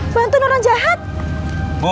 bu itu mayat bu